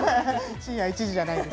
深夜１時じゃないです。